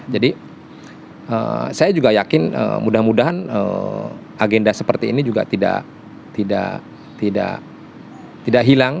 jadi saya juga yakin mudah mudahan agenda seperti ini juga tidak hilang